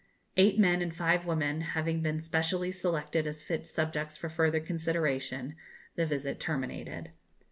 Eight men and five women having been specially selected as fit subjects for further consideration, the visit terminated.